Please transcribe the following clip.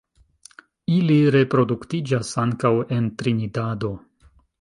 Ili reproduktiĝas ankaŭ en Trinidado.